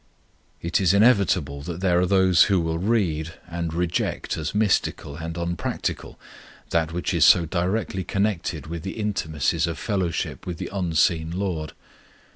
It is inevitable that there are those who will read and reject as mystical and unpractical, that which is so directly concerned with the intimacies of fellowship with the unseen Lord.